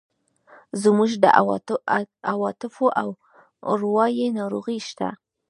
زموږ د عواطفو او اروایي ناروغۍ شته.